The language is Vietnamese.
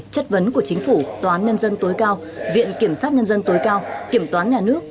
chất vấn của chính phủ toán nhân dân tối cao viện kiểm sát nhân dân tối cao kiểm toán nhà nước